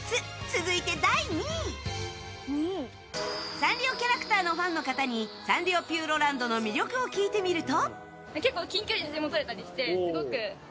サンリオキャラクターのファンの方にサンリオピューロランドの魅力を聞いてみると。